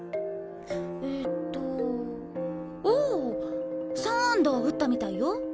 えとお３安打打ったみたいよ。